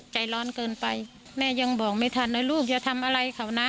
ใจร้อนเกินไปแม่ยังบอกไม่ทันว่าลูกจะทำอะไรเขานะ